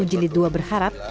jilid dua berharap